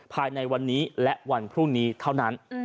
ภายในวันนี้และวันพรุ่งนี้เท่านั้น